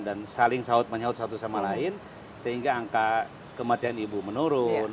dan saling menyebut satu sama lain sehingga angka kematian ibu menurun